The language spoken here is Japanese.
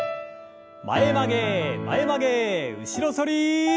前曲げ前曲げ後ろ反り。